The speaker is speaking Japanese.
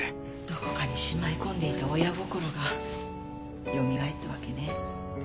どこかにしまい込んでいた親心がよみがえったわけね。